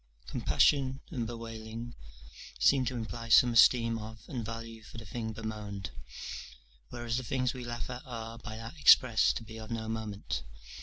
Compassion and bewailing seem to imply some esteem of and value for the thing bemoaned; whereas the things we laugh at are by that expressed to be of no moment.